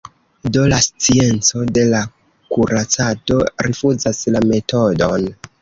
Do la scienco de la kuracado rifuzas la metodon.